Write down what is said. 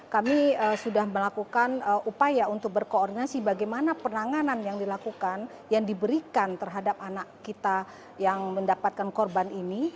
kami sudah melakukan upaya untuk berkoordinasi bagaimana penanganan yang dilakukan yang diberikan terhadap anak kita yang mendapatkan korban ini